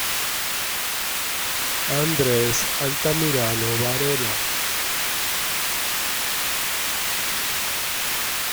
Andres Altamirano Varela.